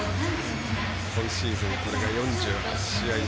今シーズン、これが４８試合目。